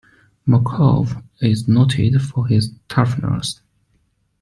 Markov is noted for his toughness.